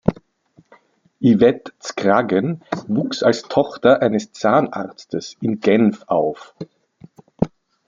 Yvette Z’Graggen wuchs als Tochter eines Zahnarztes in Genf auf.